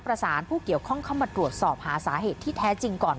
ประสานผู้เกี่ยวข้องเข้ามาตรวจสอบหาสาเหตุที่แท้จริงก่อน